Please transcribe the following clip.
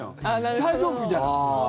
大丈夫？みたいな。